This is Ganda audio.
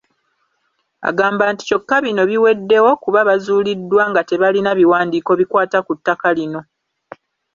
Agamba nti kyokka bino biweddewo kuba bazuuliddwa nga tebalina biwandiiko bikwata ku ttaka lino.